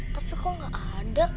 tapi kok gak ada